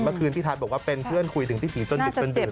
เมื่อคืนพี่ทัศน์บอกว่าเป็นเพื่อนคุยถึงพี่ผีจนติดเป็นเดือนเลย